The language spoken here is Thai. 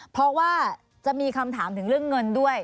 เพราะว่าจะมีคำถามถึงเรื่องเงินด้วย